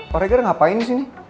pak reger ngapain di sini